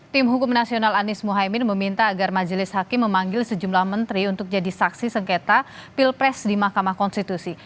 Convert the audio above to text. tim hukum nasional anies mohaimin meminta agar majelis hakim memanggil sejumlah menteri untuk jadi saksi sengketa pilpres di mahkamah konstitusi